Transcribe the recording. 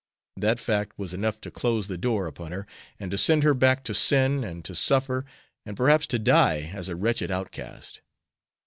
That fact was enough to close the door upon her, and to send her back to sin and to suffer, and perhaps to die as a wretched outcast.